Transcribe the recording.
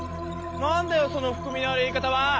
なんだよそのふくみのある言い方は。